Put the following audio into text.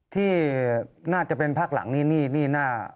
ที่น่าจะเป็นภาคหลังนี่นี่นี่น่า